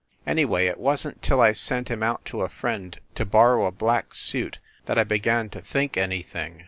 Anyway, it wasn t till I sent him out to a friend to borrow a black suit that I began to think anything.